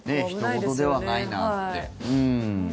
ひと事ではないなって。